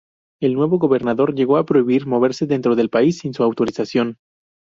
El nuevo gobernador llegó a prohibir moverse dentro del país sin su autorización.